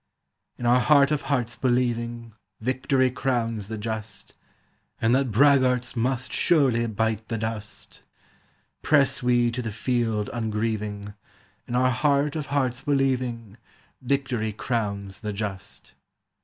In our heart of hearts believing Victory crowns the just, And that braggarts must Surely bite the dust, Press we to the field ungrieving, In our heart of hearts believing Victory crowns the just.